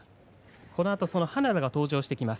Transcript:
このあとその花田が登場してきます。